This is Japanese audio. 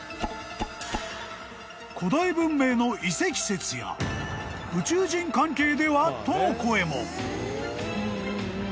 ［古代文明の遺跡説や宇宙人関係では？との声も］